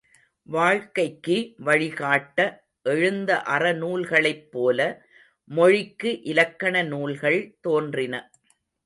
வாழ்க்கைக்கு வழிகாட்ட எழுந்த அறநூல்களைப் போல, மொழிக்கு இலக்கண நூல்கள் தோன்றின.